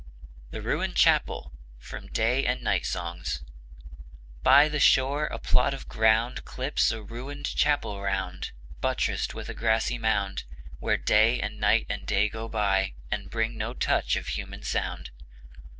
THE RUINED CHAPEL By the shore, a plot of ground Clips a ruined chapel round, Buttressed with a grassy mound; Where Day and Night and Day go by And bring no touch of human sound.